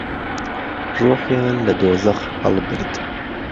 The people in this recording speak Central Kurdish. روحیان لە دۆزەق هەڵبرد